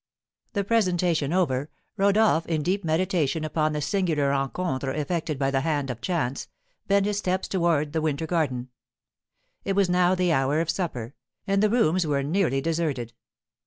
The presentation over, Rodolph, in deep meditation upon the singular rencontres effected by the hand of chance, bent his steps towards the winter garden. It was now the hour of supper, and the rooms were nearly deserted.